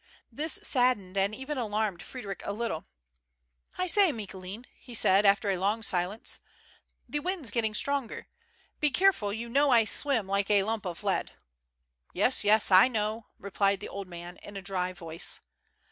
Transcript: This saddened and even alarmed Frederic a little. "I say, Micoulin," he said, after a long silence. '*The wind's getting stronger. Be careful, you know I swim like a lump of lead.'' "Yes, yes; I know," replied the old man, in a dry voice.